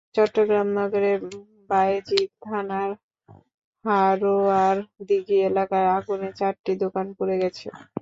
চট্টগ্রাম নগরের বায়েজিদ থানার হারোয়ার দিঘি এলাকায় আগুনে চারটি দোকান পুড়ে গেছে।